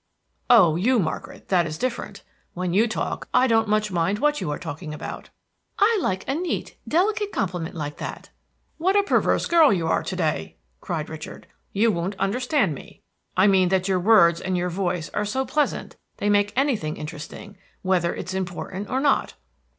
"Oh, you, Margaret; that is different. When you talk I don't much mind what you are talking about." "I like a neat, delicate compliment like that!" "What a perverse girl you are to day!" cried Richard. "You won't understand me. I mean that your words and your voice are so pleasant they make anything interesting, whether it's important or not."